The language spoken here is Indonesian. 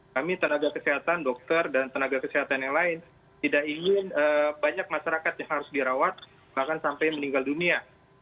kami tenaga kesehatan dokter dan tenaga kesehatan yang lain tidak ingin banyak masyarakat yang harus dirawat bahkan sampai meninggal dunia